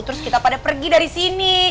terus kita pada pergi dari sini